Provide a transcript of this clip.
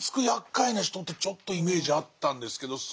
やっかいな人ってちょっとイメージあったんですけど